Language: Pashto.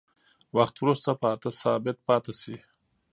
وخت وروسته په اته ثابت پاتې شي.